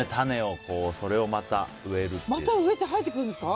また植えて生えてくるんですか。